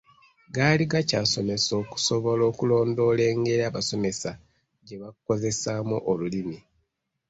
Gaali gakyasomesa okusobola okulondoola engeri abasomesa gye bakozesaamu Olulimi.